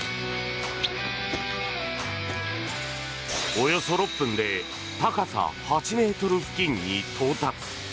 およそ６分で高さ８ｍ付近に到達。